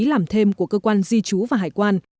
làm thêm của cơ quan di trú và hải quan